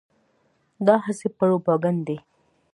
دا هسې پروپاګند دی.